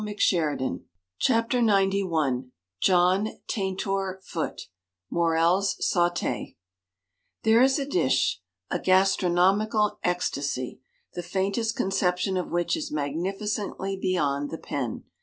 THE STAG COOK BOOK xci John Taintor Foote MORELS SAUTE There is a dish — a gastronomical ecstasy — the faintest conception of which is magnificently beyond the pen.